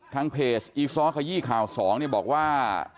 ทางเพจอีซ้อขยี้ข่าว๒บอกว่า